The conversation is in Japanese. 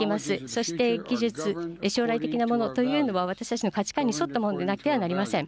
そして技術、将来的なものというのは私たちの価値観に沿ったものでなくてはなりません。